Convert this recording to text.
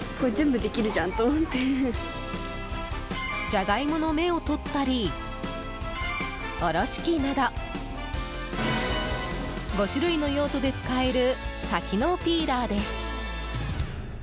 ジャガイモの芽を取ったりおろし器など５種類の用途で使える多機能ピーラーです。